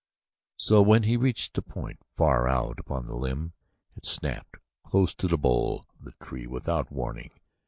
And so when he reached a point far out upon the limb, it snapped close to the bole of the tree without warning.